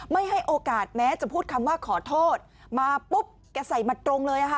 ไม่ให้โอกาสแม้จะพูดคำว่าขอโทษมาปุ๊บแกใส่มาตรงเลยค่ะ